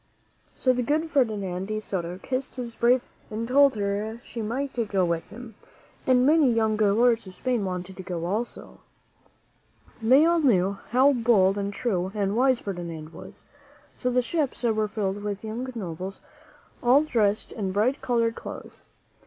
So the good Ferdinand de Soto kissed his brave wife and told her she might go with him; and many young lords of Spain wanted to go also. They all knew how bold and true and wise Fer dinand was; so the ships were filled with young nobles, all dressed in bright colored clothes.